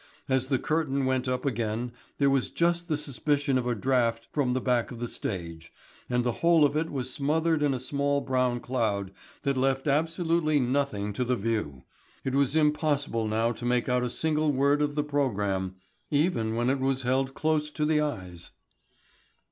As the curtain went up again there was just the suspicion of a draught from the back of the stage, and the whole of it was smothered in a small brown cloud that left absolutely nothing to the view. It was impossible now to make out a single word of the programme, even when it was held close to the eyes.